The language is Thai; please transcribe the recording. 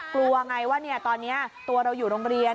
กลัวไงว่าตอนนี้ตัวเราอยู่โรงเรียน